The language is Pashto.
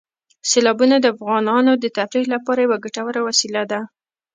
سیلابونه د افغانانو د تفریح لپاره یوه ګټوره وسیله ده.